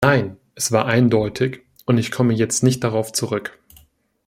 Nein, es war eindeutig, und ich komme jetzt nicht darauf zurück.